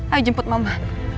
ayo jemput mama